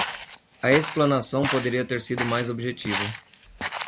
A explanação poderia ter sido mais objetiva